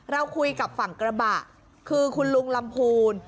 เราคุยกับฝั่งกระบะคือคุณลุงลำพูน